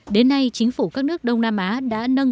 đến nay chính phủ các nước đông nam á đã nâng